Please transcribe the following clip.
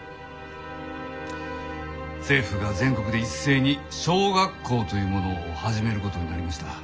政府が全国で一斉に小学校というものを始めることになりました。